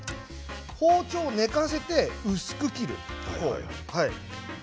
包丁を寝かせて薄く切る。